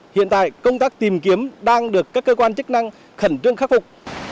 hiện tại công tác tìm kiếm đang được các cơ quan chức năng khẩn trương khắc phục